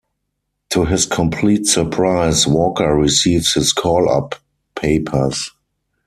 To his complete surprise, Walker receives his call-up papers.